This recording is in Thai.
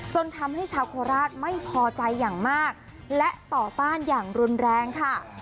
จนทำให้ชาวโคราชไม่พอใจอย่างมากและต่อต้านอย่างรุนแรงค่ะ